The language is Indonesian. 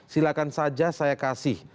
silakan saja saya kasih